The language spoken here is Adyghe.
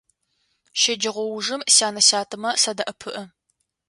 Щэджэгъоужым сянэ-сятэмэ садэӀэпыӀэ.